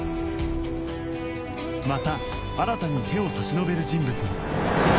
また新に手を差し伸べる人物が